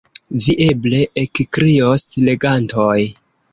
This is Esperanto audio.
Vi eble ekkrios, legantoj.